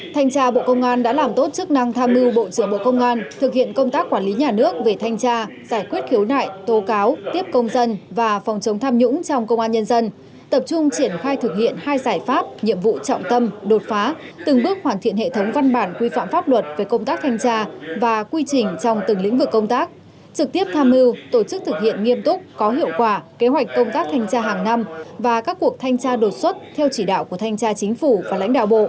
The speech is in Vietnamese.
thành tra bộ công an đã làm tốt chức năng tham mưu bộ trưởng bộ công an thực hiện công tác quản lý nhà nước về thanh tra giải quyết khiếu nại tố cáo tiếp công dân và phòng chống tham nhũng trong công an nhân dân tập trung triển khai thực hiện hai giải pháp nhiệm vụ trọng tâm đột phá từng bước hoàn thiện hệ thống văn bản quy phạm pháp luật về công tác thanh tra và quy trình trong từng lĩnh vực công tác trực tiếp tham mưu tổ chức thực hiện nghiêm túc có hiệu quả kế hoạch công tác thanh tra hàng năm và các cuộc thanh tra đột xuất theo chỉ đạo của thanh tra chính ph